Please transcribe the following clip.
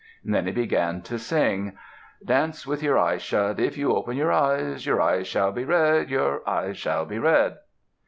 Then he began to sing, Dance with your eyes shut; If you open your eyes Your eyes shall be red! Your eyes shall be red!